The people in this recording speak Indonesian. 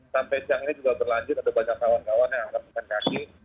sampai jam ini juga berlanjut ada banyak kawan kawan yang berpekan kaki